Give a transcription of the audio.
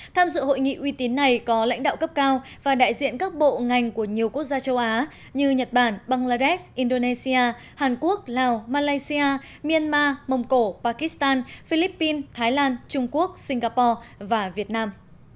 tham dự hội nghị uy tín này có lãnh đạo cấp cao và đại diện các bộ ngành của nhiều quốc gia châu á như nhật bản bangladesh indonesia hàn quốc lào malaysia myanmar mông cổ pakistan philippines thái lan trung quốc singapore và việt nam